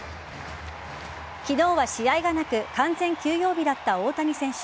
昨日は試合がなく完全休養日だった大谷選手。